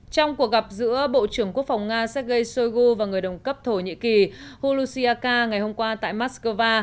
trong cuộc gặp giữa bộ trưởng quốc phòng nga sergei shoigu và người đồng cấp thổ nhĩ kỳ hollushika ngày hôm qua tại moscow